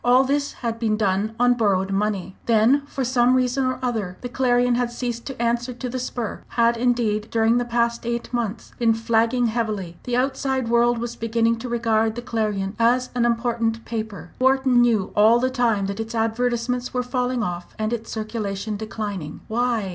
All this had been done on borrowed money. Then, for some reason or other, the Clarion had ceased to answer to the spur had, indeed, during the past eight months been flagging heavily. The outside world was beginning to regard the Clarion as an important paper. Wharton knew all the time that its advertisements were falling off, and its circulation declining. Why?